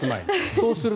そうすると。